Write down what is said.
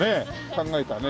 考えたね。